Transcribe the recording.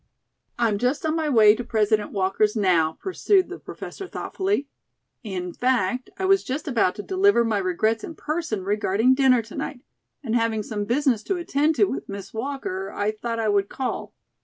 "I'm just on my way to President Walker's now," pursued the Professor thoughtfully. "In fact, I was just about to deliver my regrets in person regarding dinner to night, and having some business to attend to with Miss Walker, I thought I would call.